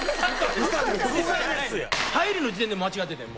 入りの時点で間違ってたよ